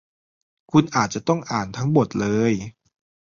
คุณอาจจะต้องอ่านทั้งบทเลย